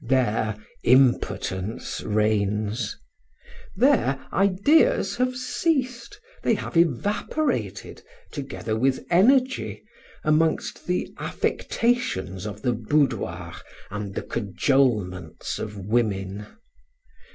There impotence reigns; there ideas have ceased they have evaporated together with energy amongst the affectations of the boudoir and the cajolements of women.